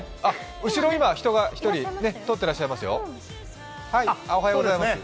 後ろ、今１人人が通っていらっしゃいますよ。